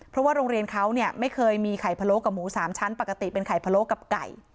เพราะว่าโรงเรียนเขาเนี่ยไม่เคยมีไข่พะโล้กับหมู๓ชั้นปกติเป็นไข่พะโล้กับไก่